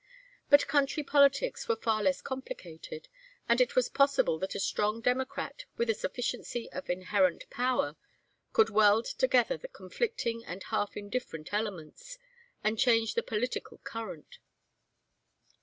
But country politics were far less complicated, and it was possible that a strong Democrat with a sufficiency of inherent power could weld together the conflicting and half indifferent elements, and change the political current.